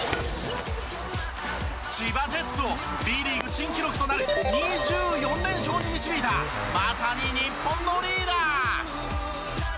千葉ジェッツをＢリーグ新記録となる２４連勝に導いたまさに日本のリーダー。